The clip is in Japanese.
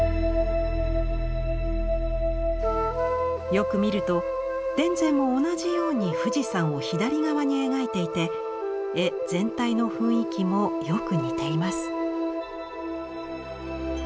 よく見ると田善も同じように富士山を左側に描いていて絵全体の雰囲気もよく似ています。